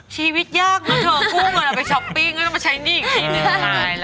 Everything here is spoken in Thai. ชีวิตยากทางนอกเจากู้เหมือนเราไปช้อปปิ้งก็ไม่ต้องมาใช้นี่อีกที